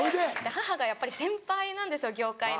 母がやっぱり先輩なんですよ業界の。